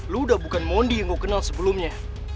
lo udah bukan mondi yang gue kenal sebelumnya